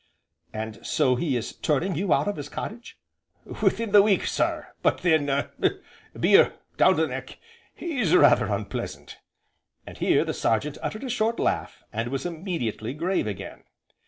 "And so he is turning you out of his cottage?" "Within the week, sir, but then beer down the neck is rather unpleasant!" and here the Sergeant uttered a short laugh, and was immediately grave again.